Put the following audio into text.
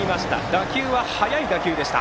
打球は速い打球でした。